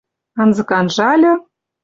Анзыкы анжальы —